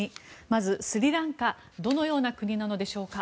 まず、スリランカどのような国なのでしょうか。